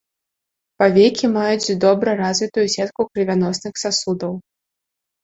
Павекі маюць добра развітую сетку крывяносных сасудаў.